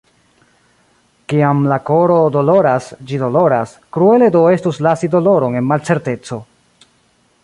Kiam la koro doloras, ĝi doloras, kruele do estus lasi doloron en malcerteco.